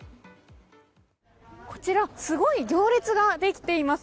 こちら、すごい行列ができています。